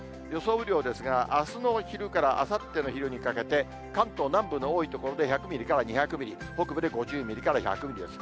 雨量ですが、あすの昼からあさっての昼にかけて、関東南部の多い所で１００ミリから２００ミリ、北部で５０ミリから１００ミリです。